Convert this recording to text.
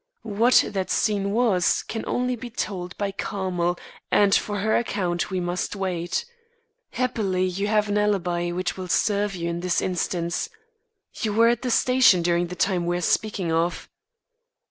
What that scene was can only be told by Carmel and for her account we must wait. Happily you have an alibi which will serve you in this instance. You were at the station during the time we are speaking of."